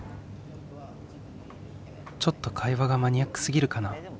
ちょっと会話がマニアックすぎるかな？